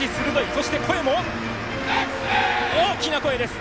そして声も大きな声です。